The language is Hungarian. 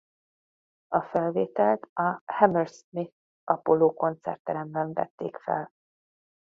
A felvételt a Hammersmith Apollo koncertteremben vették fel.